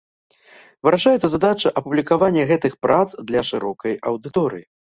Вырашаецца задача апублікавання гэтых прац для шырокай аўдыторыі.